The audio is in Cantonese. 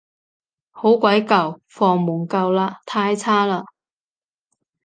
好鬼舊，房門舊嘞，太差嘞